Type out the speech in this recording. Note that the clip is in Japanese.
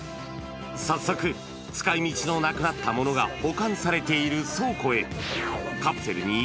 早速、使いみちのなくなったものが保管されている倉庫へ。